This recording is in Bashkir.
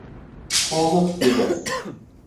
Халыҡ тигәс...